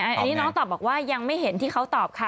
อันนี้น้องตอบบอกว่ายังไม่เห็นที่เขาตอบค่ะ